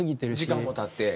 時間も経って。